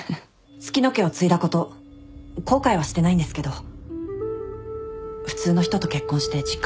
月乃家を継いだこと後悔はしてないんですけど普通の人と結婚して実感しました。